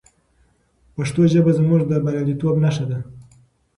پښتو ژبه زموږ د بریالیتوب نښه ده.